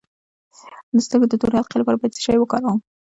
د سترګو د تورې حلقې لپاره باید څه شی وکاروم؟